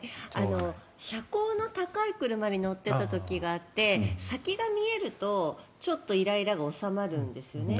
車高の高い車に乗っていた時があって先が見えるとちょっとイライラが収まるんですよね。